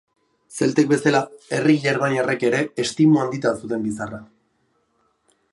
Zeltek bezala, herri germaniarrek ere estimu handitan zuten bizarra.